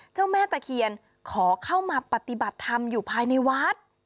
เจ้าแม่ตะเคียนขอเข้ามาปฏิบัติธรรมอยู่ภายในวัด